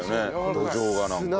土壌がなんか。